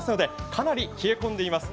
かなり冷え込んでいます。